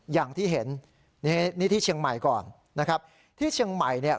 อย่างที่เห็นนี่นี่ที่เชียงใหม่ก่อนนะครับที่เชียงใหม่เนี่ย